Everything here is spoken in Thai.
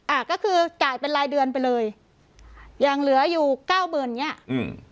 อ่าก็คือจ่ายเป็นรายเดือนไปเลยยังเหลืออยู่เก้าหมื่นอย่างเงี้ยอืม